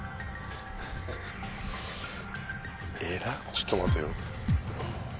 ちょっと待てよ。